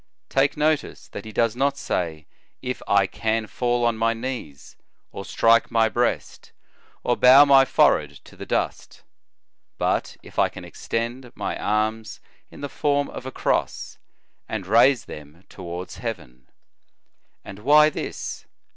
"* Take notice, that he does not say : If I can fall on my knees, or strike my breast, or bow my forehead to the dust; but, If I can extend my arms in the form of a cross, and raise them towards heaven. And why this